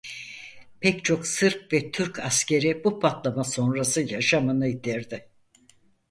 Pek çok Sırp ve Türk askeri bu patlama sonrası yaşamını yitirdi.